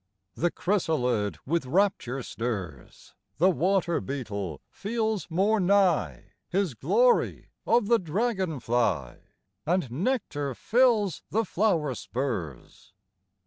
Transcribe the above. in. The chrysalid with rapture stirs : TH The water beetle feels more mgh His lory of the dragon fly, And nectar fills the flower spurs.